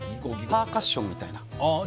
パーカッションみたいな。